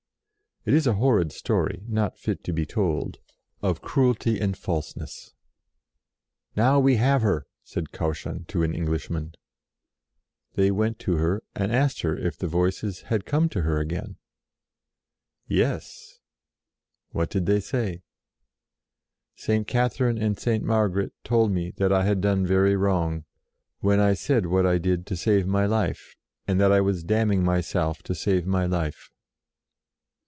It is a horrid story, not fit to be told, of cruelty and falseness. " Now we have her !" said Cauchon to an Englishman. They went to her, and asked her if the Voices had come to her again? THE PRIESTS BETRAY HER 109 "Yes!" "What did they say?" " St. Catherine and St. Margaret told me that I had done very wrong, when I said what I did to save my life, and that I was damning myself to save my life."